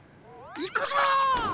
いくぞ！